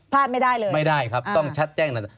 พลาดไม่ได้เลย